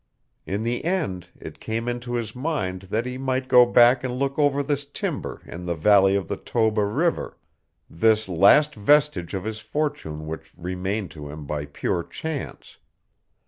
In the end it came into his mind that he might go back and look over this timber in the valley of the Toba River, this last vestige of his fortune which remained to him by pure chance.